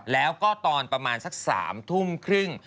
แล้วก็ตอนประมาณสัก๓ทุ่มครึ่ง